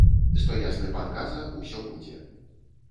Сто ясны пан каза, усё будзе.